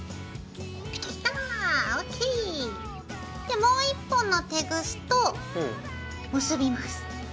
でもう１本のテグスと結びます。